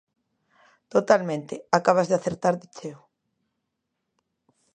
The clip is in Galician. Totalmente, acabas de acertar de cheo.